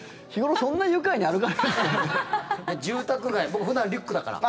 僕、普段リュックだから。